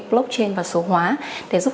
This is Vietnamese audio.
blockchain và số hóa để giúp